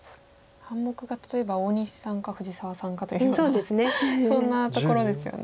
半目勝ちといえば大西さんか藤沢さんかというようなそんなところですよね。